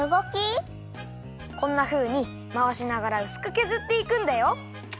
こんなふうにまわしながらうすくけずっていくんだよ。